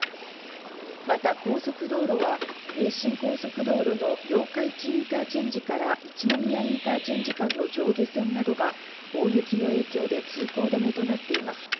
また高速道路は名神高速道路の八日市インターチェンジから一宮インターチェンジ間の上下線などが大雪の影響で通行止めとなっています。